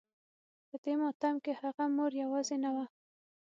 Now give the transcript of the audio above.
په دې ماتم کې هغه مور يوازې نه وه.